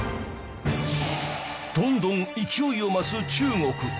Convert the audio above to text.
どんどん勢いを増す中国